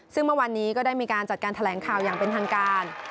ซึ่งเมื่อวานนี้ก็ได้มีการจัดการแถลงข่าวอย่างเป็นทางการ